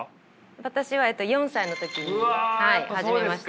私は４歳の時に始めました。